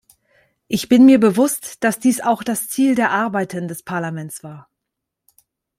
Ich bin mir bewusst, dass dies auch das Ziel der Arbeiten des Parlaments war.